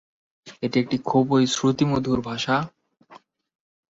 স্কা-বা-দ্পাল-ব্র্ত্সেগ্স সম-য়ে বৌদ্ধবিহারের অন্যতম বিখ্যাত অনুবাদক বা লো-ৎসা-ওয়া ছিলেন।